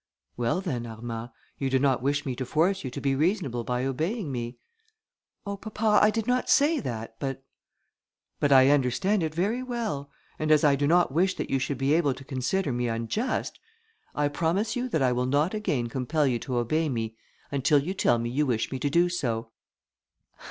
"Well, then, Armand, you do not wish me to force you to be reasonable by obeying me." "Oh, papa, I did not say that, but...." "But I understand it very well; and as I do not wish that you should be able to consider me unjust, I promise you that I will not again compel you to obey me until you tell me you wish me to do so."